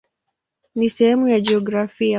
Ni sehemu ya jiografia.